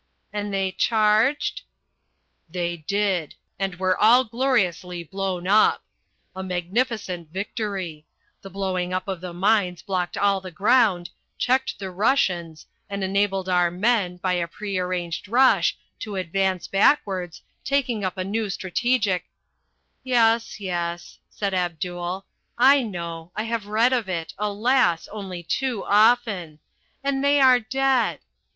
"And they charged?" "They did and were all gloriously blown up. A magnificent victory. The blowing up of the mines blocked all the ground, checked the Russians and enabled our men, by a prearranged rush, to advance backwards, taking up a new strategic " "Yes, yes," said Abdul, "I know I have read of it, alas, only too often! And they are dead!